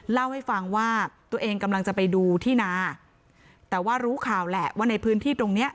เล่าให้ฟังว่าตัวเองกำลังจะไปดูที่นาแต่ว่ารู้ข่าวแหละว่าในพื้นที่ตรงเนี้ย